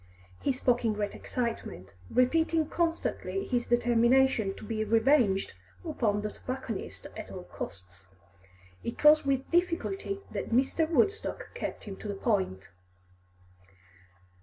He spoke in great excitement, repeating constantly his determination to be revenged upon the tobacconist at all costs. It was with difficulty that Mr. Woodstock kept him to the point.